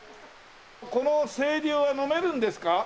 この清流は飲めるんですか？